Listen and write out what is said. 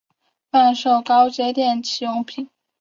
贩售高阶电器用品